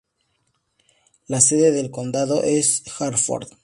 La sede del condado es Hartford.